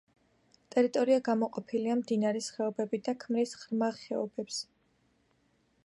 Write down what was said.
ტერიტორია გამოყოფილია მდინარის ხეობებით და ქმნის ღრმა ხეობებს.